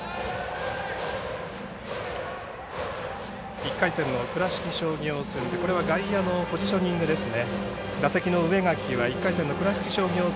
１回戦の倉敷商業戦これは外野のポジショニングですね。